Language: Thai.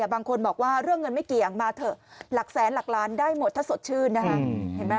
บางคนบอกว่าเรื่องเงินไม่เกี่ยงมาเถอะหลักแสนหลักล้านได้หมดถ้าสดชื่นนะคะ